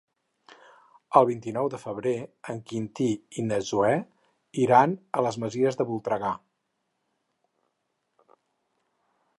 El vint-i-nou de febrer en Quintí i na Zoè iran a les Masies de Voltregà.